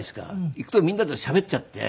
行くとみんなとしゃべっちゃって。